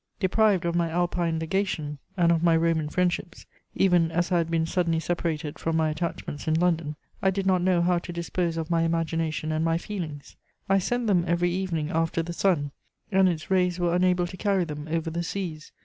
Deprived of my Alpine Legation and of my Roman friendships, even as I had been suddenly separated from my attachments in London, I did not know how to dispose of my imagination and my feelings; I sent them every evening after the sun, and its rays were unable to carry them over the seas.